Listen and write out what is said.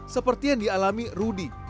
seperti yang dialami rudy